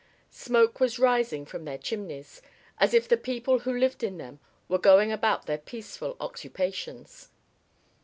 Smoke was rising from their chimneys, as if the people who lived in them were going about their peaceful occupations.